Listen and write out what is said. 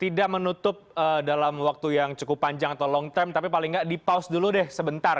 tidak menutup dalam waktu yang cukup panjang atau long term tapi paling nggak dipause dulu deh sebentar